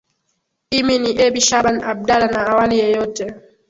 imi ni ebi shaban abdala na awali yeyote